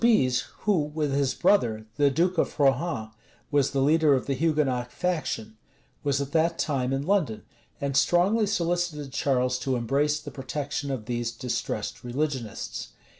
Soubize, who, with his brother, the duke of Rohan, was the leader of the Hugonot faction, was at that time in London, and strongly solicited Charles to embrace the protection of these distressed religionists.